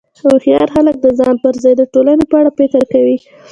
هوښیار خلک د ځان پر ځای د ټولنې په اړه فکر کوي.